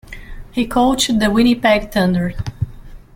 He coached the Winnipeg Thunder.